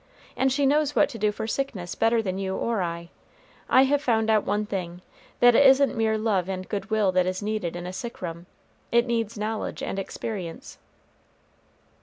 And she knows what to do for sickness better than you or I. I have found out one thing, that it isn't mere love and good will that is needed in a sick room; it needs knowledge and experience."